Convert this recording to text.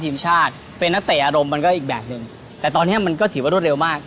ไม่แถ่อารมณ์มันก็อีกแบบนึงแต่ตอนนี้มันก็ถีอวดรถเร็วมาก